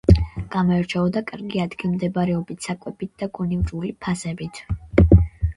გამოირჩეოდა კარგი ადგილმდებარეობით, საკვებით და გონივრული ფასებით.